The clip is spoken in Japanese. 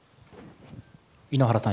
井ノ原さん